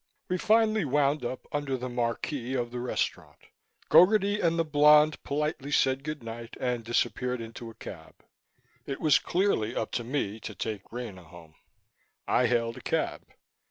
We finally wound up under the marquee of the restaurant. Gogarty and the blonde politely said good night, and disappeared into a cab. It was clearly up to me to take Rena home. I hailed a cab.